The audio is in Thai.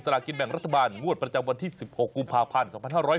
ลากินแบ่งรัฐบาลงวดประจำวันที่๑๖กุมภาพันธ์๒๕๖๒